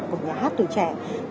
của nhà hát tuổi trẻ